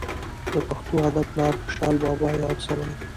د پښتو ادب پلار خوشحال بابا یاد سوى.